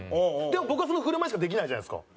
でも僕はその振る舞いしかできないじゃないですか。